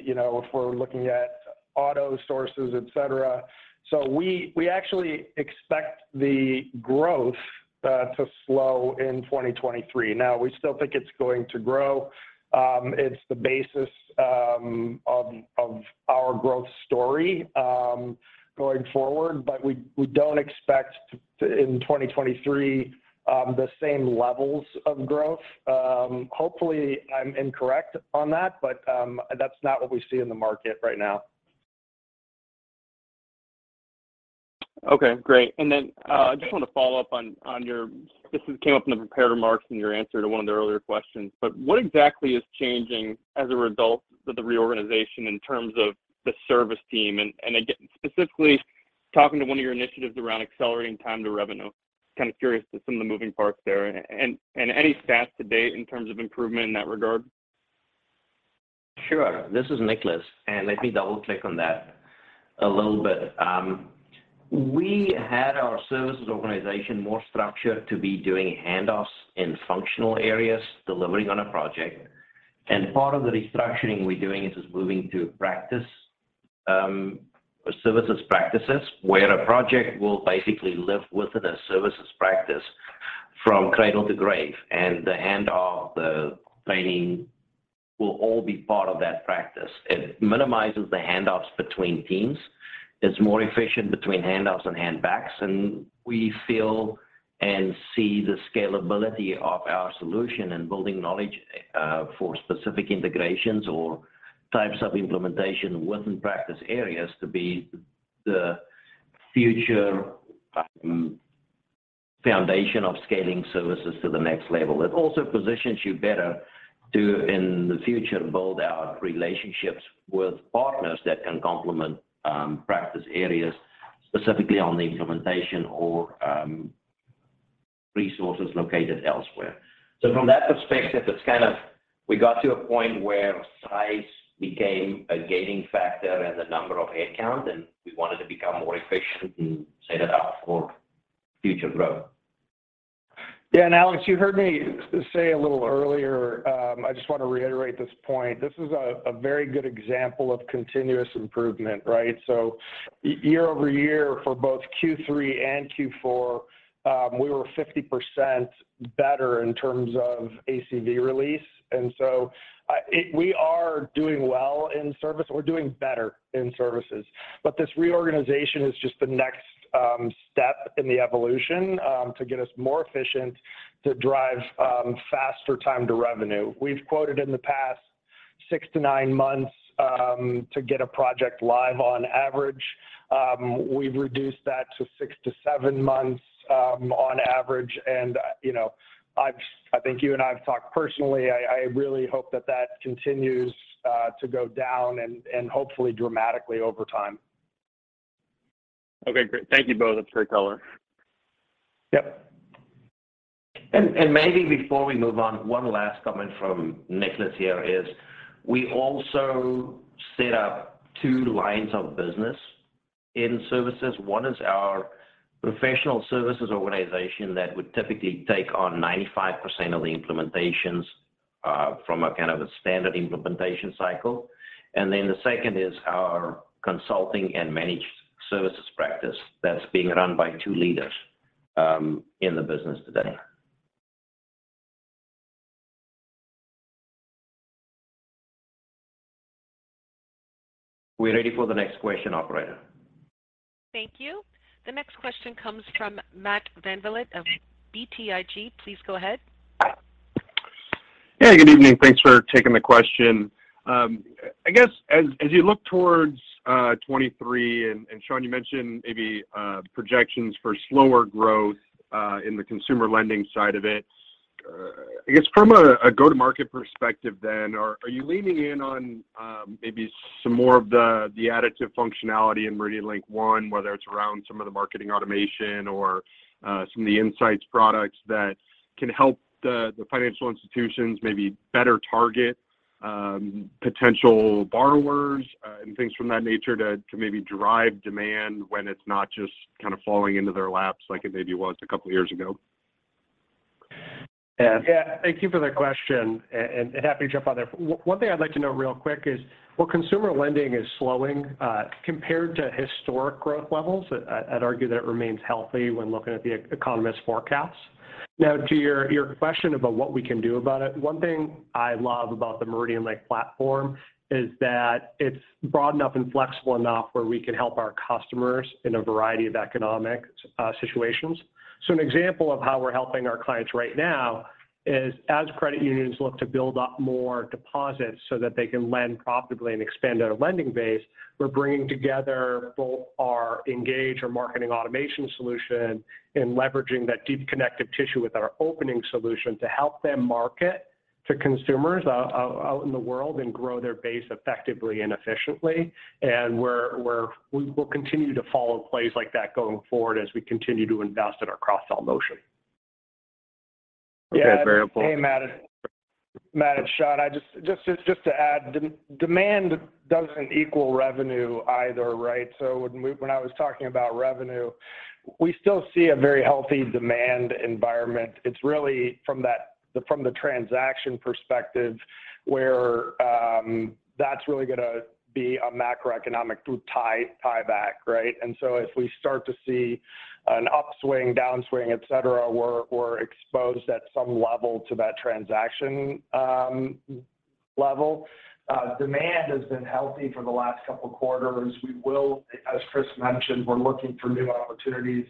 you know, if we're looking at auto sources, et cetera. We actually expect the growth to slow in 2023. We still think it's going to grow. It's the basis of our growth story going forward. We don't expect in 2023 the same levels of growth. Hopefully, I'm incorrect on that, but that's not what we see in the market right now. Okay, great. Just want to follow up on your this came up in the prepared remarks in your answer to one of the earlier questions. What exactly is changing as a result of the reorganization in terms of the service team? Again, specifically talking to one of your initiatives around accelerating time to revenue. Kind of curious to some of the moving parts there and any stats to date in terms of improvement in that regard. Sure. This is Nicolaas Vlok. Let me double-click on that a little bit. We had our services organization more structured to be doing handoffs in functional areas, delivering on a project. Part of the restructuring we're doing is just moving to practice, services practices, where a project will basically live within a services practice. From cradle to grave and the handoff, the training will all be part of that practice. It minimizes the handoffs between teams. It's more efficient between handoffs and handbacks, we feel and see the scalability of our solution and building knowledge for specific integrations or types of implementation within practice areas to be the future foundation of scaling services to the next level. It also positions you better to, in the future, build out relationships with partners that can complement, practice areas specifically on the implementation or, resources located elsewhere. From that perspective, it's kind of we got to a point where size became a gaining factor and the number of headcount, and we wanted to become more efficient and set it up for future growth. Yeah. Alex, you heard me say a little earlier, I just want to reiterate this point. This is a very good example of continuous improvement, right? Year-over-year for both Q3 and Q4, we were 50% better in terms of ACV release. We are doing well in service. We're doing better in services. This reorganization is just the next step in the evolution to get us more efficient to drive faster time to revenue. We've quoted in the past six to nine months to get a project live on average. We've reduced that to six to seven months on average. You know, I think you and I have talked personally, I really hope that continues to go down and hopefully dramatically over time. Okay, great. Thank you both. That's great color. Yep. Maybe before we move on, one last comment from Nicolaas here is we also set up two lines of business in services. One is our professional services organization that would typically take on 95% of the implementations from a kind of a standard implementation cycle. The second is our consulting and managed services practice that's being run by two leaders in the business today. We're ready for the next question, operator. Thank you. The next question comes from Matt VanVliet of BTIG. Please go ahead. Hey, good evening. Thanks for taking the question. I guess as you look towards 23, Sean, you mentioned maybe projections for slower growth in the consumer lending side of it. I guess from a go-to-market perspective, are you leaning in on maybe some more of the additive functionality in MeridianLink One, whether it's around some of the marketing automation or some of the insights products that can help the financial institutions maybe better target potential borrowers and things from that nature to maybe drive demand when it's not just kind of falling into their laps like it maybe was a couple of years ago? Yeah. Thank you for the question and happy to jump on there. One thing I'd like to note real quick is while consumer lending is slowing, compared to historic growth levels, I'd argue that it remains healthy when looking at the economist forecasts. To your question about what we can do about it, one thing I love about the MeridianLink platform is that it's broad enough and flexible enough where we can help our customers in a variety of economic situations. An example of how we're helping our clients right now is as credit unions look to build up more deposits so that they can lend profitably and expand their lending base, we're bringing together both our Engage, our marketing automation solution, and leveraging that deep connective tissue with our Opening solution to help them market to consumers out in the world and grow their base effectively and efficiently. We will continue to follow plays like that going forward as we continue to invest in our cross-sell motion. Okay. Very helpful. Yeah. Hey, Matt. Matt, it's Sean. Just to add, demand doesn't equal revenue either, right? When I was talking about revenue, we still see a very healthy demand environment. It's really from the transaction perspective where that's really gonna be a macroeconomic tie back, right? If we start to see an upswing, downswing, et cetera, we're exposed at some level to that transaction level. Demand has been healthy for the last couple of quarters. We will, as Chris mentioned, we're looking for new opportunities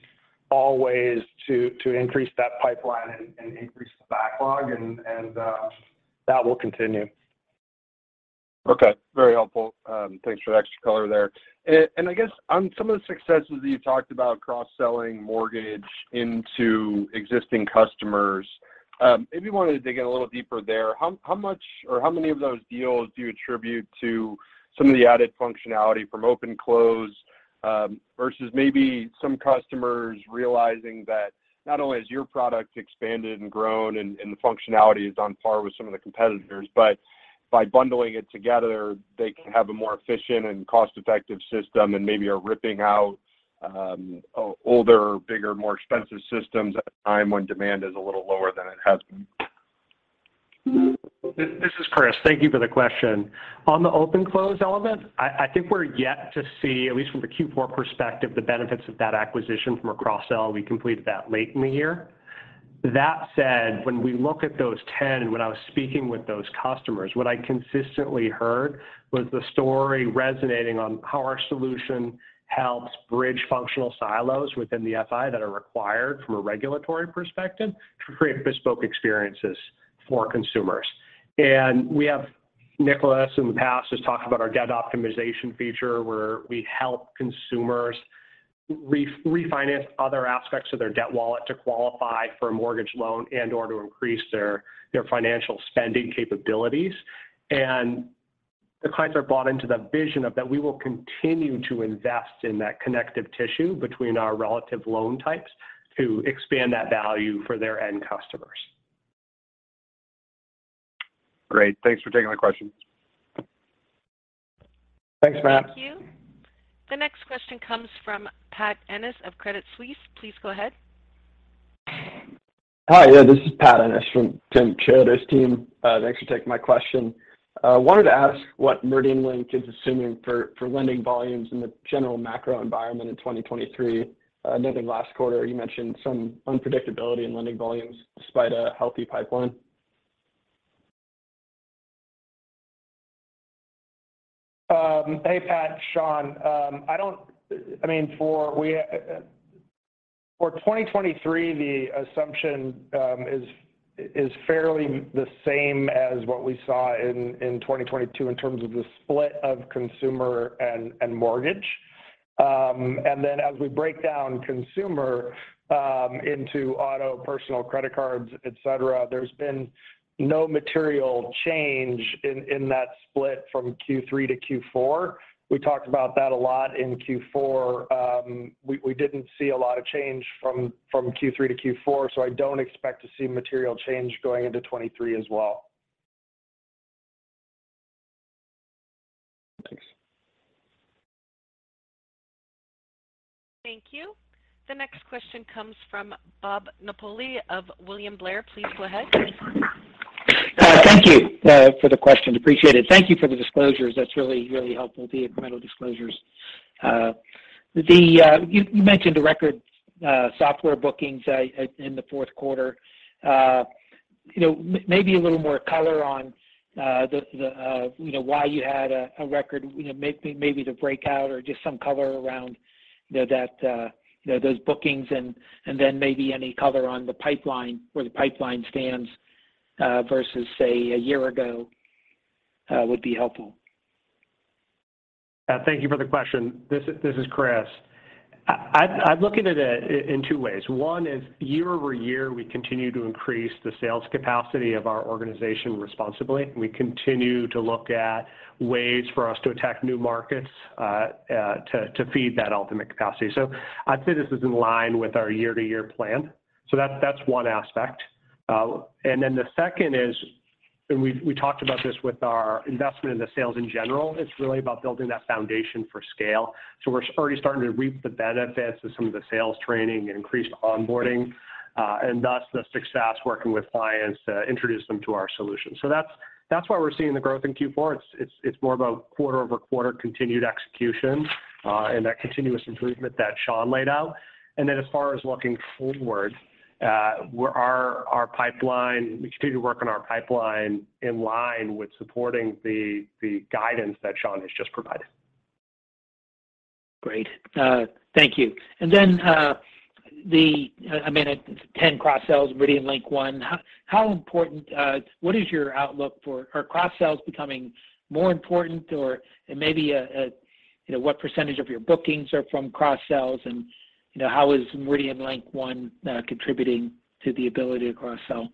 always to increase that pipeline and increase the backlog and that will continue. Okay. Very helpful. Thanks for the extra color there. I guess on some of the successes that you talked about cross-selling mortgage into existing customers, maybe wanted to dig in a little deeper there. How much or how many of those deals do you attribute to some of the added functionality from OpenClose versus maybe some customers realizing that not only has your product expanded and grown and the functionality is on par with some of the competitors, but by bundling it together, they can have a more efficient and cost-effective system and maybe are ripping out older, bigger, more expensive systems at a time when demand is a little lower than it has been? This is Chris. Thank you for the question. On the OpenClose element, I think we're yet to see, at least from the Q4 perspective, the benefits of that acquisition from a cross-sell. We completed that late in the year. That said, when we look at those 10, when I was speaking with those customers, what I consistently heard was the story resonating on how our solution helps bridge functional silos within the FI that are required from a regulatory perspective to create bespoke experiences for consumers. We have Nicolaas in the past has talked about our debt optimization feature where we help consumers re-refinance other aspects of their debt wallet to qualify for a mortgage loan and/or to increase their financial spending capabilities. The clients are bought into the vision of that we will continue to invest in that connective tissue between our relative loan types to expand that value for their end customers. Great. Thanks for taking my question. Thanks, Matt. Thank you. The next question comes from Patrick Ennis of Credit Suisse. Please go ahead. Hi. Yeah, this is Patrick Ennis from Timothy Chiodo's team. Thanks for taking my question. I wanted to ask what MeridianLink is assuming for lending volumes in the general macro environment in 2023. I know in the last quarter you mentioned some unpredictability in lending volumes despite a healthy pipeline. Hey, Pat, Sean. I mean, for 2023, the assumption is fairly the same as what we saw in 2022 in terms of the split of consumer and mortgage. As we break down consumer into auto, personal credit cards, et cetera, there's been no material change in that split from Q3 to Q4. We talked about that a lot in Q4. We didn't see a lot of change from Q3 to Q4, I don't expect to see material change going into 2023 as well. Thanks. Thank you. The next question comes from Bob Napoli of William Blair. Please go ahead. Thank you for the question. Appreciate it. Thank you for the disclosures. That's really helpful, the incremental disclosures. You mentioned the record software bookings in the fourth quarter. You know, maybe a little more color on the, you know, why you had a record, you know, maybe the breakout or just some color around, you know, that, you know, those bookings and then maybe any color on the pipeline where the pipeline stands versus, say, a year ago would be helpful. Thank you for the question. This is Chris. I'm looking at it in two ways. One is year-over-year, we continue to increase the sales capacity of our organization responsibly. We continue to look at ways for us to attack new markets to feed that ultimate capacity. I'd say this is in line with our year-to-year plan. That's one aspect. Then the second is, and we talked about this with our investment in the sales in general, it's really about building that foundation for scale. We're already starting to reap the benefits of some of the sales training and increased onboarding, and thus the success working with clients to introduce them to our solutions. That's why we're seeing the growth in Q4. It's more about quarter-over-quarter continued execution, and that continuous improvement that Sean laid out. As far as looking forward, we continue to work on our pipeline in line with supporting the guidance that Sean has just provided. Great. Thank you. I mean, 10 cross-sells, MeridianLink One, how important, what is your outlook for cross-sells becoming more important? Maybe, you know, what % of your bookings are from cross-sells? You know, how is MeridianLink One contributing to the ability to cross-sell?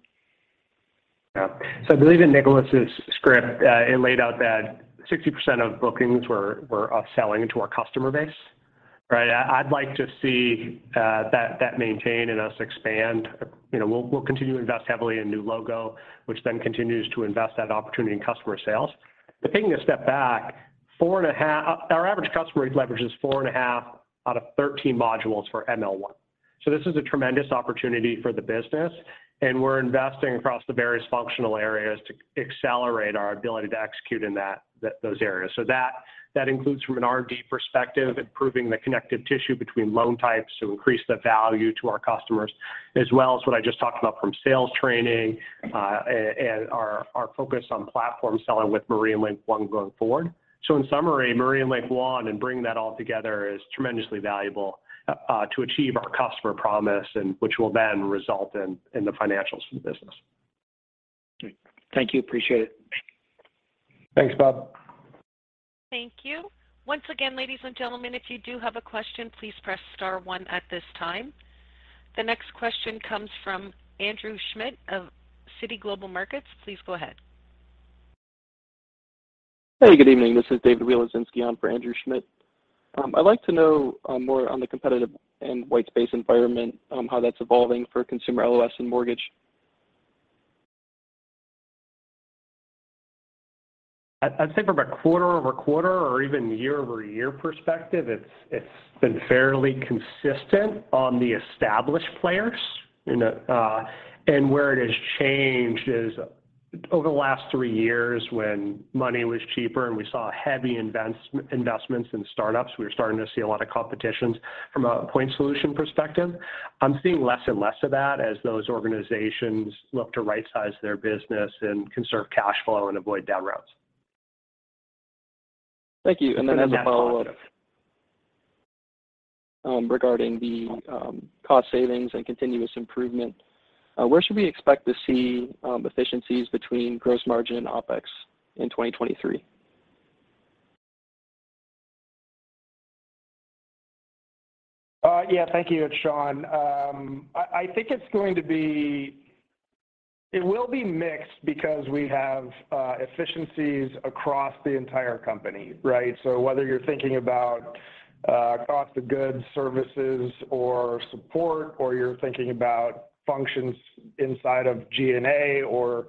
Yeah. I believe in Nicolaas' script, it laid out that 60% of bookings were upselling to our customer base, right? I'd like to see that maintain and us expand. You know, we'll continue to invest heavily in new logo, which then continues to invest that opportunity in customer sales. Taking a step back, our average customer leverages 4.5 out of 13 modules for ML1. This is a tremendous opportunity for the business, and we're investing across the various functional areas to accelerate our ability to execute in those areas. That includes from an R&D perspective, improving the connective tissue between loan types to increase the value to our customers, as well as what I just talked about from sales training, and our focus on platform selling with MeridianLink One going forward. In summary, MeridianLink One and bringing that all together is tremendously valuable to achieve our customer promise and which will then result in the financials for the business. Great. Thank you. Appreciate it. Thanks, Bob. Thank you. Once again, ladies and gentlemen, if you do have a question, please press star one at this time. The next question comes from Andrew Schmidt of Citigroup Global Markets. Please go ahead. Hey, good evening. This is David Wieloszynski on for Andrew Schmidt. I'd like to know more on the competitive and white space environment, how that's evolving for consumer LOS and mortgage? I'd say from a quarter-over-quarter or even year-over-year perspective, it's been fairly consistent on the established players. You know, where it has changed is over the last three years when money was cheaper and we saw heavy investments in startups, we were starting to see a lot of competitions from a point solution perspective. I'm seeing less and less of that as those organizations look to rightsize their business and conserve cash flow and avoid down rounds. Thank you. As a follow-up, regarding the, cost savings and continuous improvement, where should we expect to see efficiencies between gross margin and OpEx in 2023? Yeah. Thank you, it's Sean. I think it will be mixed because we have efficiencies across the entire company, right? Whether you're thinking about cost of goods, services or support, or you're thinking about functions inside of G&A or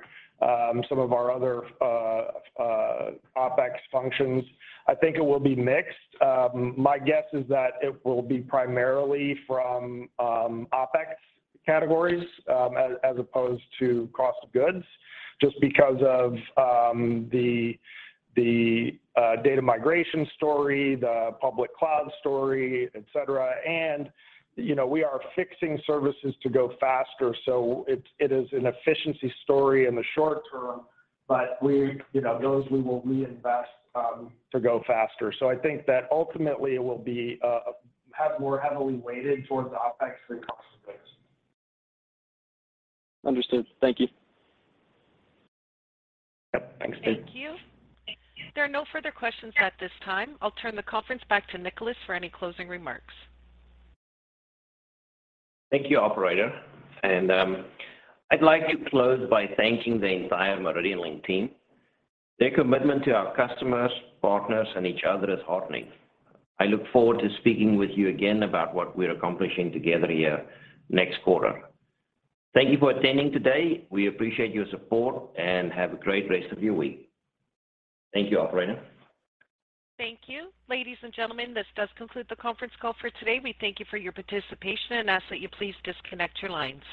some of our other OpEx functions, I think it will be mixed. My guess is that it will be primarily from OpEx categories as opposed to cost of goods just because of the data migration story, the public cloud story, et cetera. You know, we are fixing services to go faster, so it is an efficiency story in the short term, but we, you know, those we will reinvest to go faster. I think that ultimately it will be more heavily weighted towards OpEx than cost of goods. Understood. Thank you. Yep. Thanks. Thank you. There are no further questions at this time. I'll turn the conference back to Nicolaas for any closing remarks. Thank you, operator. I'd like to close by thanking the entire MeridianLink team. Their commitment to our customers, partners, and each other is heartening. I look forward to speaking with you again about what we're accomplishing together here next quarter. Thank you for attending today. We appreciate your support. Have a great rest of your week. Thank you, operator. Thank you. Ladies and gentlemen, this does conclude the conference call for today. We thank you for your participation and ask that you please disconnect your lines.